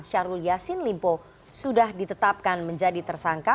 syahrul yassin limpo sudah ditetapkan menjadi tersangka